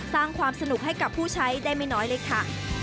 สร้างความสนุกให้กับผู้ใช้ได้ไม่น้อยเลยค่ะ